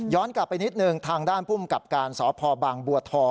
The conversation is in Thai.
ย้อนกลับไปนิดหนึ่งทางด้านผู้มกับการสพบฑ